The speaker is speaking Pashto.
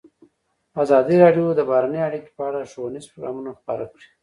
ازادي راډیو د بهرنۍ اړیکې په اړه ښوونیز پروګرامونه خپاره کړي.